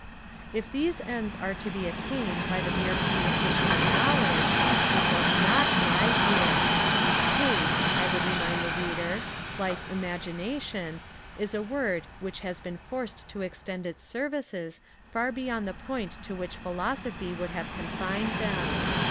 If these ends are to be attained by the mere communication of knowledge, it does not lie here. TASTE, I would remind the reader, like IMAGINATION, is a word which has been forced to extend its services far beyond the point to which philosophy would have confined them.